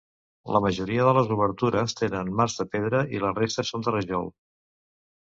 La majoria de les obertures tenen marcs de pedra, i la resta són de rajol.